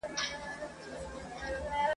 كه مو نه سړېږي زړه په انسانانو !.